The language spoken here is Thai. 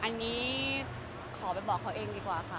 อันนี้ขอไปบอกเขาเองดีกว่าค่ะ